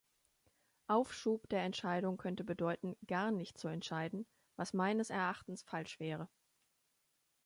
Aufschub der Entscheidung könnte bedeuten, gar nicht zu entscheiden, was meines Erachtens falsch wäre.